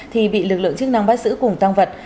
thì bị lực lượng chức năng bắt giữ cùng tăng vật